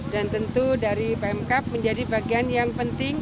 dan tentu dari pemkap menjadi bagian yang penting